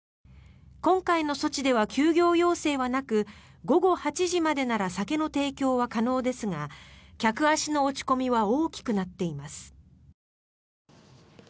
今回の措置では休業要請はなく午後８時までなら酒の提供は可能ですが客足の落ち込みは大きくなっています。